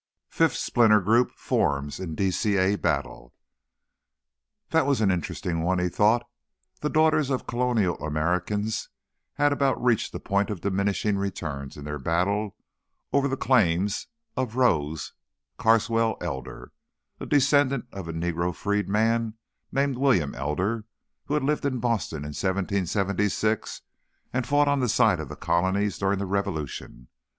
FIFTH SPLINTER GROUP FORMS IN DCA BATTLE That was an interesting one, he thought. The Daughters of Colonial Americans had about reached the point of diminishing returns in their battle over the claims of Rose Carswell Elder, a descendant of a Negro freedman named William Elder who had lived in Boston in 1776 and fought on the side of the Colonies during the Revolution.